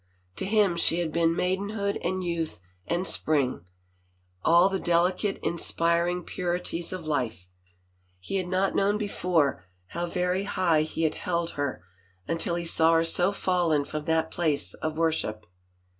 To him she had been maidenhood and youth and spring; all the delicate inspiring purities of life. 219 THE FAVOR OF KINGS He had not known before how very high he had held her until he saw her so fallen from that place of worship.